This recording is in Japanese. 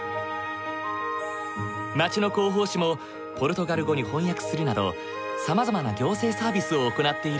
町の広報誌もポルトガル語に翻訳するなどさまざまな行政サービスを行っている。